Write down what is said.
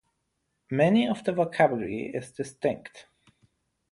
Many of the vocabulary is distinct.